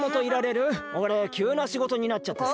おれきゅうなしごとになっちゃってさ。